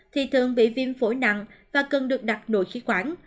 thì thường bị viêm phổi nặng và cần được đặt nội khí quản